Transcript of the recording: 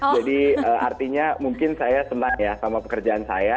jadi artinya mungkin saya senang ya sama pekerjaan saya